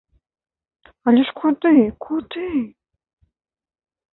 Але ж куды, куды?